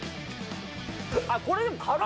あ、これでも軽い。